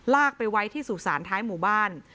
ไปไว้ที่สุสานท้ายหมู่บ้าน